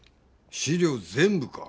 資料全部か？